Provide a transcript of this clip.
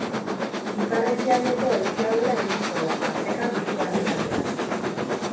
Ipar-ekialdeko haize ahula ibiliko da, tarteka bizi barnealdean.